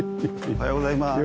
おはようございます。